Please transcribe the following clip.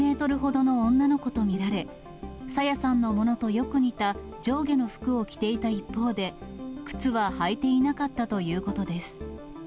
遺体は身長が１メートルほどの女の子と見られ、朝芽さんのものとよく似た上下の服を着ていた一方で、靴は履いていなかったということです。